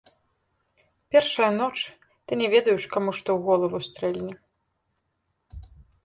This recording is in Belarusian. Першая ноч, ты не ведаеш, каму што ў галаву стрэльне.